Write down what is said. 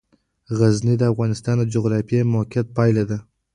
غزني د افغانستان د جغرافیایي موقیعت پایله ده.